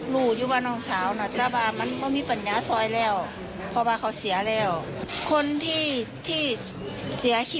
คุณผู้ชมไปฟังเสียงผู้รอดชีวิตกันหน่อยค่ะ